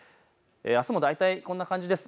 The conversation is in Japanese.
あすも大体こんな感じです。